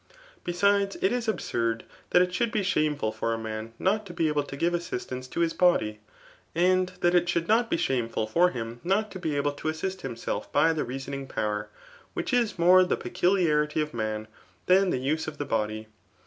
Besides, it is absurd, that k should be shameful for a man not to be able to ghre assistance to ik body, and that it should not be ^amcfuil for him not to be able to assist himself by the reasoning pown*, which is more the peculiarity of man, than the use of the body.